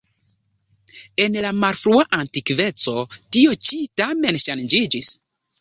En la malfrua antikveco tio ĉi tamen ŝanĝiĝis.